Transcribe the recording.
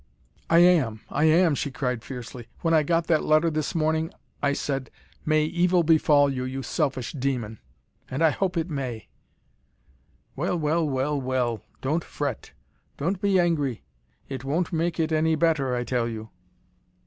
"I am. I am," she cried fiercely. "When I got that letter this morning, I said MAY EVIL BEFALL YOU, YOU SELFISH DEMON. And I hope it may." "Well well, well well, don't fret. Don't be angry, it won't make it any better, I tell you."